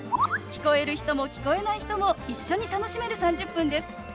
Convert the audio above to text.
聞こえる人も聞こえない人も一緒に楽しめる３０分です。